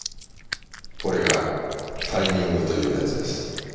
これがタイミングというやつです。